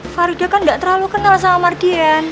farida kan gak terlalu kenal sama mardian